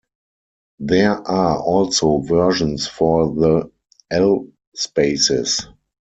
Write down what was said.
There are also versions for the "L" spaces.